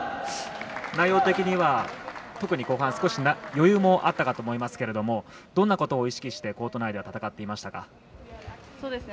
内容的には特に後半、少し余裕もあったかと思いますがどんなことを意識してコート内では戦っていましたか？